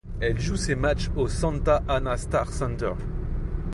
Elle joue ses matchs au Santa Ana Star Center.